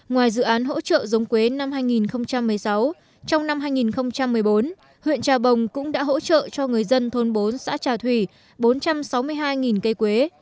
ngoài dự án hỗ trợ giống quế năm hai nghìn một mươi sáu trong năm hai nghìn một mươi bốn huyện trà bồng cũng đã hỗ trợ cho người dân thôn bốn xã trà thủy bốn trăm sáu mươi hai cây quế